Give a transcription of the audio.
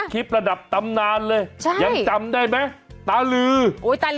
ผมอยากให้ท่านแชร์พี่มาเสียงใครวะเสียงใคร